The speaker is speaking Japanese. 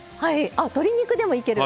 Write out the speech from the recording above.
鶏肉でもいける。